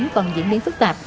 còn diễn biến phức tạp